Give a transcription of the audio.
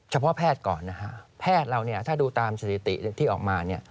เฉพาะแพทย์ก่อนแพทย์เราถ้าดูตามสถิติที่ออกมา